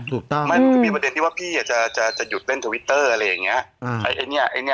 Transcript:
ถูกต้องไม่มันก็มีประเด็นที่ว่าพี่จะหยุดเล่นทวิตเตอร์อะไรอย่างนี้